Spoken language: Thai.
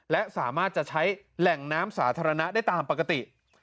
และสามารถจะใช้แหล่งน้ำสาธารณะได้ตามปกติ